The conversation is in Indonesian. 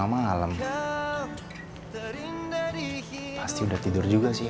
kau terindah di hidup